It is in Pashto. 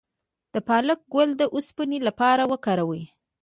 د پالک ګل د اوسپنې لپاره وکاروئ